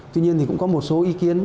tuy nhiên thì cũng có một số ý kiến